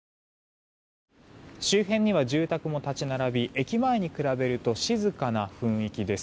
周辺には住宅も立ち並び駅前に比べると静かな雰囲気です。